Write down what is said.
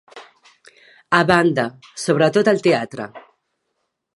A banda, sobretot al teatre.